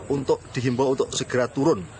untuk dihimbau untuk segera turun